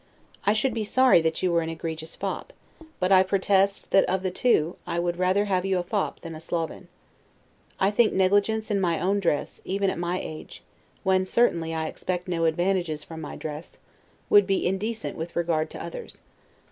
I should be sorry that you were an egregious fop; but, I protest, that of the two, I would rather have you a fop than a sloven. I think negligence in my own dress, even at my age, when certainly I expect no advantages from my dress, would be indecent with regard to others.